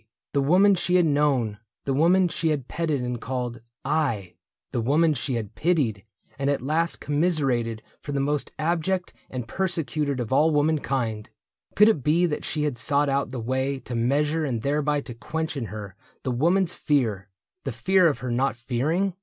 The woman she had known — THE BOOK OF ANN AND ALE 143 The woman she had petted and called " I "— The woman she had pitied, and at last Commiserated for the most abject And persecuted of all womankind, — Could it be she that had sought out the way To measure and thereby to quench in her The woman's fear — the fear of her not fearing